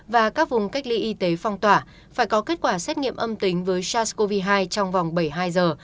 và các vùng cách ly y tế phong tỏa phải có kết quả xét nghiệm âm tính với sars cov hai trong vòng bảy mươi hai giờ